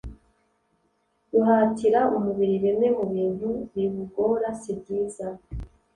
guhatira umubiri bimwe mu bintu biwugora sibyiza